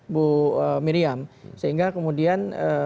bu miriam sehingga kemudian